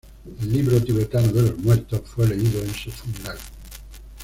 El "Libro Tibetano de los Muertos" fue leído en su funeral.